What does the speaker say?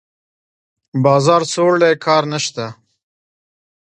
بازار سوړ دی؛ کار نشته.